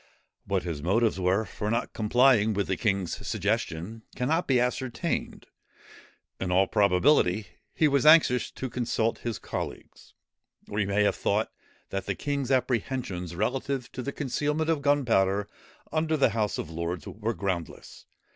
What his motives were for not complying with the king's suggestion, cannot be ascertained. In all probability he was anxious to consult his colleagues, or he may have thought that the king's apprehensions relative to the concealment of gunpowder under the House of Lords were groundless.